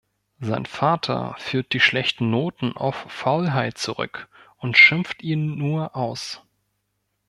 Sein Vater führt die schlechten Noten auf Faulheit zurück und schimpft ihn nur aus.